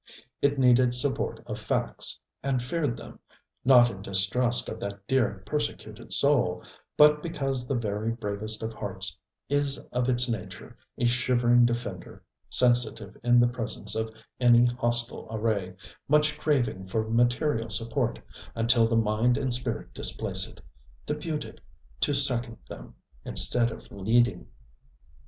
It needed support of facts, and feared them: not in distrust of that dear persecuted soul, but because the very bravest of hearts is of its nature a shivering defender, sensitive in the presence of any hostile array, much craving for material support, until the mind and spirit displace it, depute it to second them instead of leading.